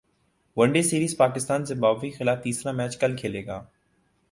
one day سیریزپاکستان Zimbabwe کیخلاف تیسرا match کل کھیلے گا